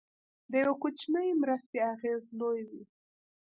د یو کوچنۍ مرستې اغېز لوی وي.